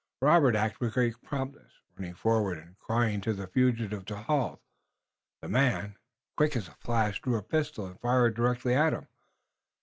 Robert acted with great promptness, running forward and crying to the fugitive to halt. The man, quick as a flash, drew a pistol and fired directly at him.